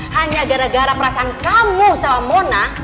hanya gara gara perasaan kamu sama mona